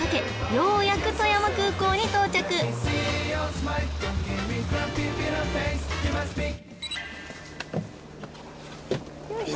ようやく富山空港に到着よいしょ